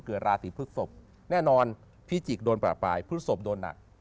เกิดราศีพฤศพแน่นอนพิจิกษ์โดนประปายพฤศพโดนหนัก